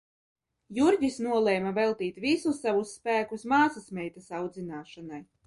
Jurģis nolēma veltīt visus savus spēkus māsasmeitas audzināšanai.